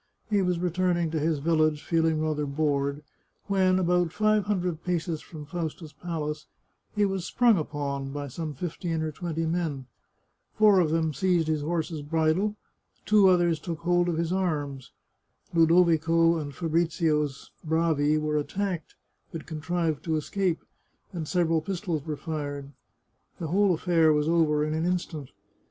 He was returning to his village, feeling rather bored, when, about five hundred paces from Fausta's palace, he was sprung upon by some fifteen or twenty men. Four of them seized his horse's bridle, two others took hold of his arms. Ludovico and Fabrizio's bravi were attacked, but contrived to escape, and several pistols were fired. The whole affair was over in an instant.